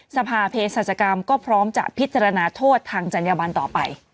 สภาเพศศาจกรรมก็พร้อมจะพิจารณาโทษทางจัญญบันต่อไป